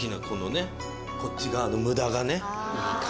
このねこっち側の無駄がね。